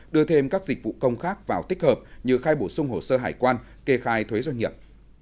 đưa thêm các dịch vụ công khác vào tích hợp như khai bổ sung hồ sơ hải quan kê khai thuế doanh nghiệp